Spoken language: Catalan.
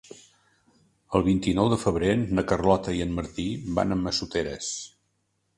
El vint-i-nou de febrer na Carlota i en Martí van a Massoteres.